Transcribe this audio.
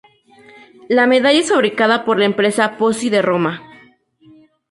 La medalla es fabricada por la empresa Pozzi de Roma.